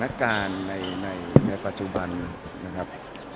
อาการในปัจจุบันนะครับ